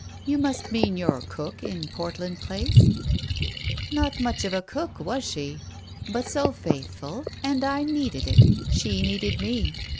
"You mean your cook in Portland Place ?"" Not much of a cook, was she ? But so faithful. And I needed it. She needed me.